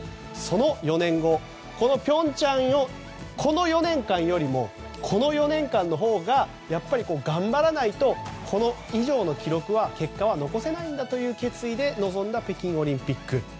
その４年後、平昌の４年間よりもこの４年間のほうがやっぱり頑張らないと平昌以上の結果は残せないんだという決意で臨んだ北京オリンピック。